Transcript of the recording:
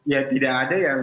ya tidak ada yang